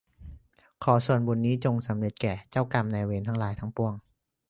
ขอส่วนบุญนี้จงสำเร็จแก่เจ้ากรรมนายเวรทั้งหลายทั้งปวง